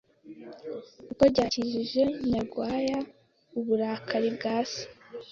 kuko ryakijije Nyarwaya uburakari bwa se